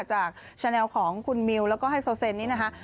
จากชาแนลของคุณมิวแล้วก็ไฮโซเซนนี้นะคะ